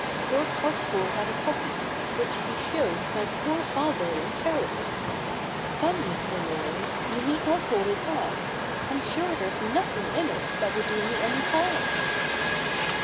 Lord Heartpool had a copy, which he showed my poor father in Paris. Come, Mr. Laurence, you need not hold it back. I'm sure there's nothing in it that would do me any harm.'